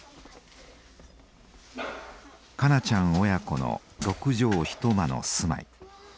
香菜ちゃん親子の６畳一間の住まい。